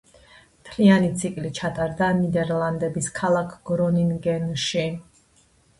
მთლიანი ციკლი ჩატარდა ნიდერლანდების ქალაქ გრონინგენში.